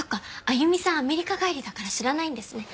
アメリカ帰りだから知らないんですね。